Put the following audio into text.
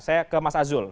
saya ke mas azul